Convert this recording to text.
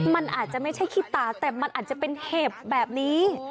มันอาจจะไม่ใช่ขี้ตาแต่มันอาจจะเป็นเห็บแบบนี้